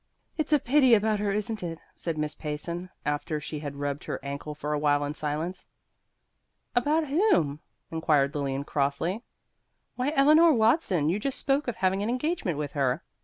"It's a pity about her, isn't it?" said Miss Payson, after she had rubbed her ankle for a while in silence. "About whom?" inquired Lilian crossly. "Why, Eleanor Watson; you just spoke of having an engagement with her.